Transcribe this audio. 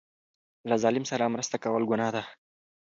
له ظالم سره مرسته کول ګناه ده.